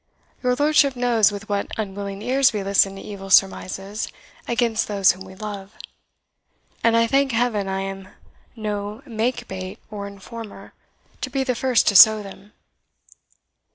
Your lordship knows with what unwilling ears we listen to evil surmises against those whom we love; and I thank Heaven I am no makebate or informer, to be the first to sow them."